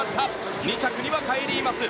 ２着にはカイリー・マス。